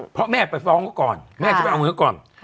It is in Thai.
เพราะแม่ไปฟ้องก่อน